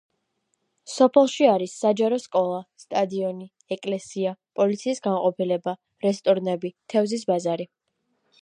სოფელში არის საჯარო სკოლა, სტადიონი, ეკლესია, პოლიციის განყოფილება, რესტორნები, თევზის ბაზარი.